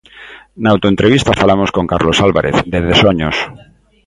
Na autoentrevista falamos con Carlos Álvarez, de Desoños.